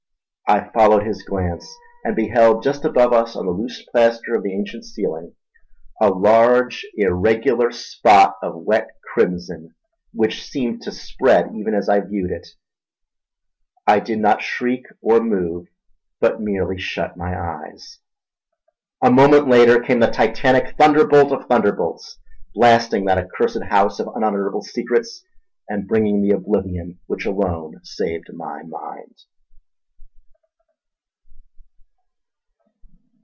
I followed his glance, and beheld just above us on the loose plaster of the ancient ceiling a large irregular spot of wet crimson which seemed to spread even as I viewed it. I did not shriek or move, but merely shut my eyes. A moment later came the titanic thunderbolt of thunderbolts; blasting that accursed house of unutterable secrets and bringing the oblivion which alone saved my mind.